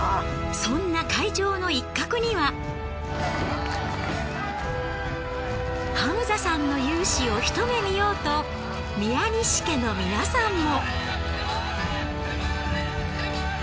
そんな会場の一角にはハムザさんの勇姿をひと目見ようと宮西家の皆さんも。